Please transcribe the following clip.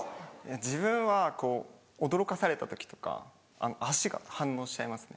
自分はこう驚かされた時とか足が反応しちゃいますね。